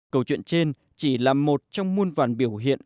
câu chuyện trên chỉ là một trong muôn vàn biểu hiện